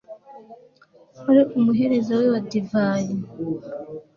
wari umuhereza we wa divayi